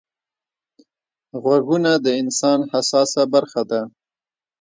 غوږونه د انسان حساسه برخه ده